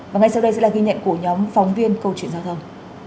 và ngay sau đây sẽ là ghi nhận của nhóm phóng viên câu chuyện giao thông